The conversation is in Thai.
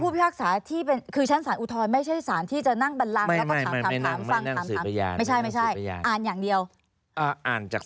คือพิพากษาที่เป็นคือชั้นสารอุทธรณ์ไม่ใช่สารที่จะนั่งบันลัง